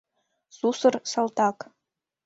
Сусыр салтак.